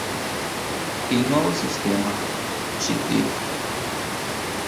Il nuovo sistema, cd.